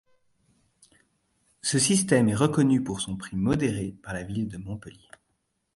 Ce système est reconnu pour son prix modéré par la ville de Montpellier.